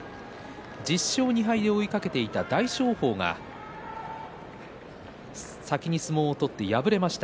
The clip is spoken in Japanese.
１０勝２敗で追いかけていた大翔鵬が先に相撲を取って敗れました。